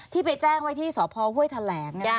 ที่ไปแจ้งไว้ที่สพห้วยแถลง